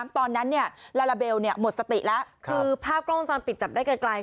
ตอนนั้นลาลาเบลหมดสติแล้วคือภาพกล้องวงจรปิดจับได้ไกล